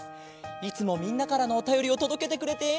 いつもみんなからのおたよりをとどけてくれて。